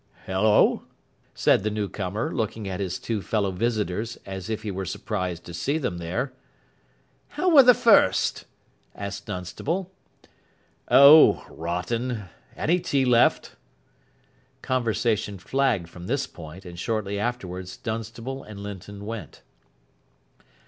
"Hullo!" said the newcomer, looking at his two fellow visitors as if he were surprised to see them there. "How were the First?" asked Dunstable. "Oh, rotten. Any tea left?" Conversation flagged from this point, and shortly afterwards Dunstable and Linton went.